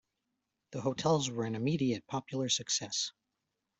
The hotels were an immediate popular success.